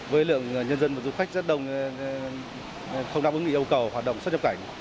với lượng nhân dân và du khách rất đông không đáp ứng được yêu cầu hoạt động xuất nhập cảnh